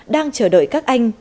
đang chờ đợi các anh